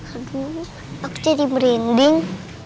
aduh aku jadi merinding